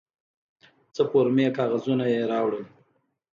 څه فورمې کاغذونه یې راوړل.